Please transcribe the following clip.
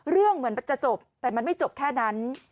เรื่องเหมือนมันจะจบแต่มันไม่จบแค่นั้น